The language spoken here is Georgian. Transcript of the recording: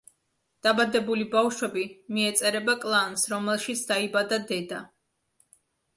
დაბადებული ბავშვები მიეწერება კლანს, რომელშიც დაიბადა დედა.